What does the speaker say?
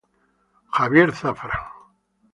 Javier Zafra